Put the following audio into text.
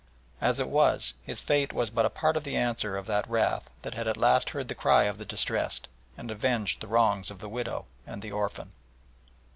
As it was, his fate was but a part of the answer of that wrath that had at last heard the cry of the distressed, and avenged the wrongs of the widow and the orphan.